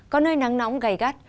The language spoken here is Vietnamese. có nơi nắng nóng gầy gắt